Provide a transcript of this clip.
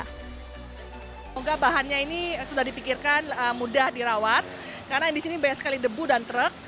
semoga bahannya ini sudah dipikirkan mudah dirawat karena di sini banyak sekali debu dan truk